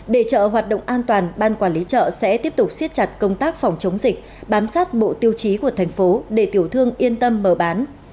để chợ hoạt động an toàn ban quản lý chợ sẽ tiếp tục siết chặt công tác phòng chống dịch bám sát bộ tiêu chí của thành phố để tiểu thương yên tâm mở bán